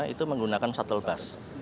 itu menggunakan shuttle bus